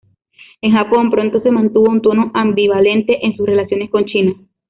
En Japón, pronto se mantuvo un tono ambivalente en sus relaciones con China.